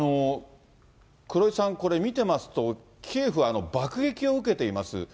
黒井さん、これ、見てますと、キエフは爆撃を受けています。